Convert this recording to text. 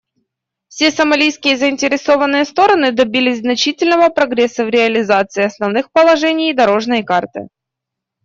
Все сомалийские заинтересованные стороны добились значительного прогресса в реализации основных положений «дорожной карты».